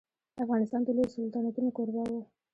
افغانستان د لويو سلطنتونو کوربه و.